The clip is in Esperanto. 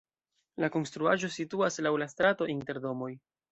La konstruaĵo situas laŭ la strato inter domoj.